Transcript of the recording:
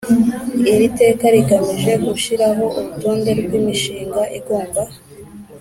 Iri teka rigamije gushyiraho urutonde rw imishinga igomba